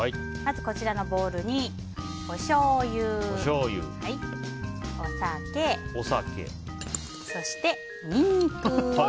こちらのボウルにおしょうゆ、お酒そしてニンニク。